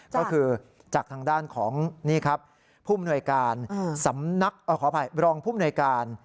ก็คือจากทางด้านของผู้อฟนวยการรองผู้อฟนวยการ